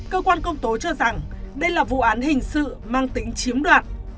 cơ quan công tố cho rằng đây là vụ án hình sự mang tính chiếm đoạt